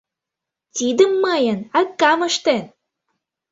— Тидым мыйын акам ыштен!